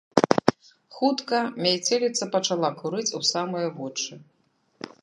Хутка мяцеліца пачала курыць у самыя вочы.